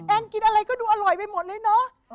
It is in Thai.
กินอะไรก็ดูอร่อยไปหมดเลยเนอะ